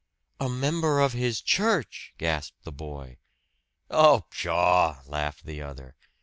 "A member of his church!" gasped the boy. "Oh, pshaw!" laughed the other.